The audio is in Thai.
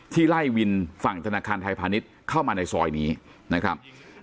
ไล่วินฝั่งธนาคารไทยพาณิชย์เข้ามาในซอยนี้นะครับ